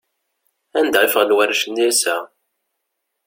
Anda i ffɣen warrac-nni ass-a?